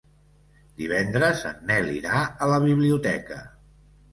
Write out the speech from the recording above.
Divendres en Nel irà a la biblioteca.